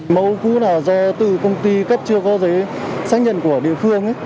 mẫu cứ là do từ công ty cấp chưa có giấy xác nhận của địa phương